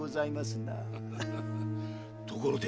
ところで